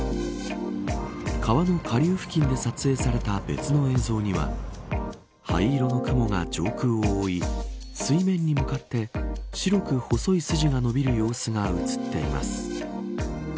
川の下流付近で撮影された別の映像には灰色の雲が上空を覆い水面に向かって白く細い筋が伸びる様子が映っています。